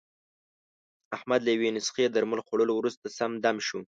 احمد له یوې نسخې درمل خوړلو ورسته، سم دم شو.